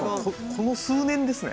この数年ですね。